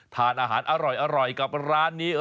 ทานอาหารอร่อยกับร้านนี้